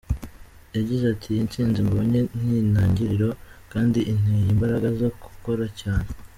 Yagize ati “Iyi ntsinzi mbonye n’intangiriro kandi inteye imbaraga zo gukora cyane.